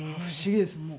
不思議です